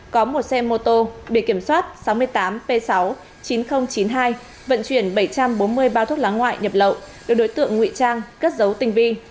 có một xe mô tô biển kiểm soát sáu mươi tám p sáu chín nghìn chín mươi hai vận chuyển bảy trăm bốn mươi bao thuốc lá ngoại nhập lậu được đối tượng nguy trang cất dấu tình vi